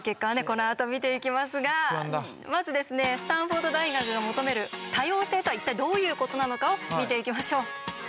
このあと見ていきますがまずですねスタンフォード大学が求める多様性とは一体どういうことなのかを見ていきましょう。